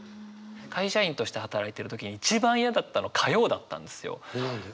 会社員として働いてる時に一番嫌だったの火曜だったんですよ。何で？